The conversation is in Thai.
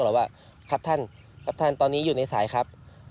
บอกว่าครับท่านครับท่านตอนนี้อยู่ในสายครับ